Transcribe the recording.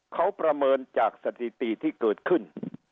เขาประเมินจากสถิติที่เกิดขึ้น